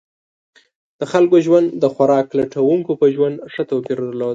د خلکو ژوند د خوراک لټونکو په ژوند ښه توپیر درلود.